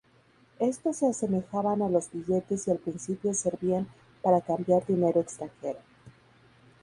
Estos se asemejaban a los billetes y al principio servían para cambiar dinero extranjero.